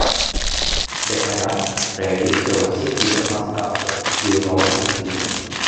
Дэкаданс праявіўся ва ўсіх відах мастацтва і ў розных стылях.